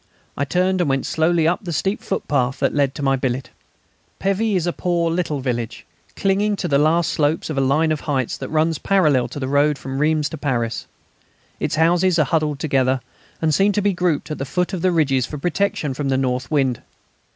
I turned and went slowly up the steep footpath that led to my billet. Pévy is a poor little village, clinging to the last slopes of a line of heights that runs parallel to the road from Reims to Paris. Its houses are huddled together, and seem to be grouped at the foot of the ridges for protection from the north wind.